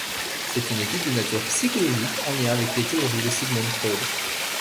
C'est une étude de nature psychologique en lien avec les théories de Sigmund Freud.